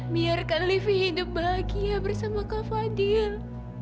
biarkan livi hidup bahagia bersama kau fadil